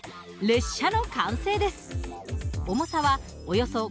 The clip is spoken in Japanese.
列車の完成です。